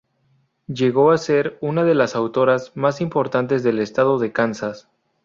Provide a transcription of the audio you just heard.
Llegó a ser una de las autoras más importantes del estado de Kansas.